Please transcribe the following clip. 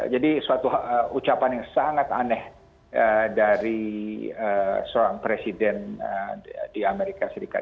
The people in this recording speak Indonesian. jadi suatu ucapan yang sangat aneh dari seorang presiden di amerika serikat